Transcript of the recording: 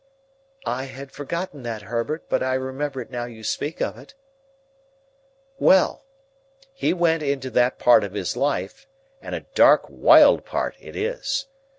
"I had forgotten that, Herbert, but I remember it now you speak of it." "Well! He went into that part of his life, and a dark wild part it is.